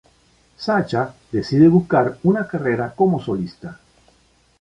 Sasha, decide buscar una carrera como solista.